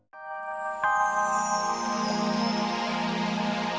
kenapausing ya kan